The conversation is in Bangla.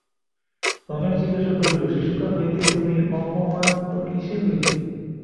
রমেশ জিজ্ঞাসা করিল, শিশুকাল হইতেই তুমি অপময়ন্ত কিসে হইলে?